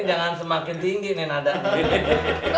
ini jangan semakin tinggi ini nada